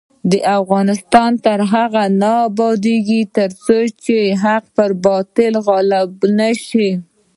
افغانستان تر هغو نه ابادیږي، ترڅو حق پر باطل غالب نشي.